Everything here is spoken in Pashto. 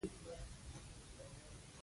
د پوهنتون چاپېریال د ملګرتیا ځای ګڼل کېږي.